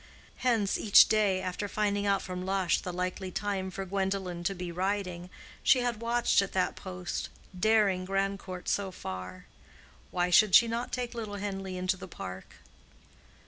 Hence, each day, after finding out from Lush the likely time for Gwendolen to be riding, she had watched at that post, daring Grandcourt so far. Why should she not take little Henleigh into the Park?